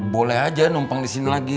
boleh aja numpang disini lagi